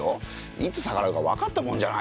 いつ逆らうか分かったもんじゃないですよ。